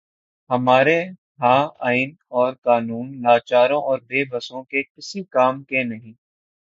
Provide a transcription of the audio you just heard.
ہمارے ہاں آئین اور قانون لاچاروں اور بے بسوں کے کسی کام کے نہیں۔